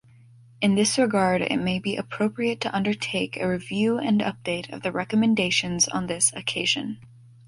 In this regard, it may be appropriate to undertake a review and update of the recommendations on this occasion.